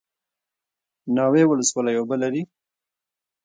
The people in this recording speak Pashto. ناوې ولسوالۍ اوبه لري؟